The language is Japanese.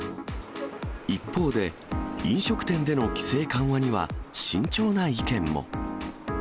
一方で、飲食店での規制緩和には、慎重な意見も。